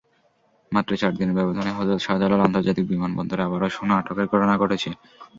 মাত্র চার দিনের ব্যবধানে হজরত শাহজালাল আন্তর্জাতিক বিমানবন্দরে আবারও সোনা আটকের ঘটনা ঘটেছে।